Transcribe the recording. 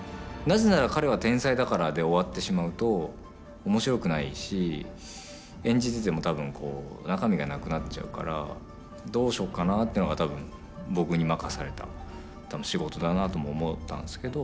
「なぜなら彼は天才だから」で終わってしまうと面白くないし演じてても多分中身がなくなっちゃうからどうしようかなというのが多分僕に任された仕事だなとも思ったんですけど。